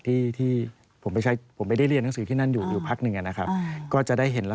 ที่ผมไปได้เรียนหนังสือที่นั่นอยู่ภาคหนึ่ง